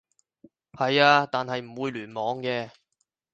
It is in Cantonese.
係啊，但係唔會聯網嘅